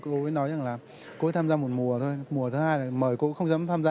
cô ấy nói rằng là cô ấy tham gia một mùa thôi mùa thứ hai là mời cô ấy không dám tham gia